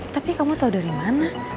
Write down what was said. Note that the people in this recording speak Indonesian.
tapi kamu tahu dari mana